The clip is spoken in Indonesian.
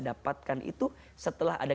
dapatkan itu setelah ada